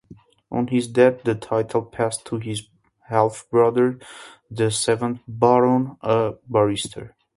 On his death the title passed to his half-brother, the seventh Baron, a barrister.